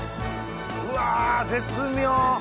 うわ絶妙！